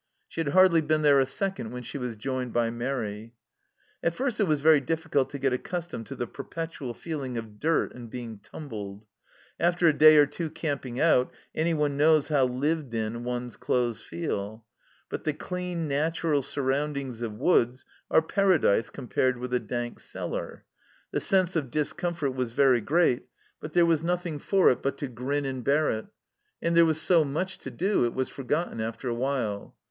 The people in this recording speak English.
She had hardly been there a second when she was joined by Mairi. At first it was very difficult to get accustomed to the perpetual feeling of dirt and being tumbled. After a day or two camping out anyone knows how " lived in " one's clothes feel ; but the clean, natural surroundings of woods are Paradise com pared with a dank cellar. The sense of discomfort was very great, but there was nothing for it but to grin and bear it ; and there was so much to do, it was forgotten after a while.